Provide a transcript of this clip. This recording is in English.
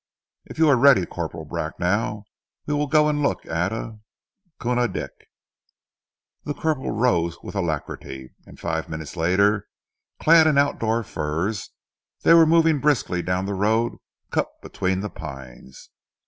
"If you are ready, Corporal Bracknell, we will go and look at a Koona Dick." The corporal rose with alacrity, and five minutes later, clad in outdoor furs, they were moving briskly down the road cut between the pines.